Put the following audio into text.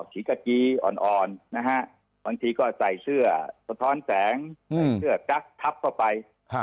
สีกากีอ่อนนะฮะบางทีก็ใส่เสื้อสะท้อนแสงใส่เสื้อกั๊กทับเข้าไป